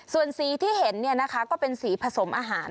ส่วนสีที่เห็นก็เป็นสีผสมอาหาร